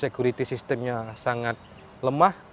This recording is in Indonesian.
sekuriti sistemnya sangat lemah